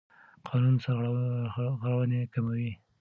قانون سرغړونې کموي.